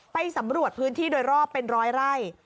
ไปสำรวจพื้นที่โดยรอบเป็นร้อยไร่